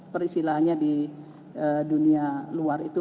peristilahannya di dunia luar itu